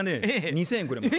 ２，０００円くれます。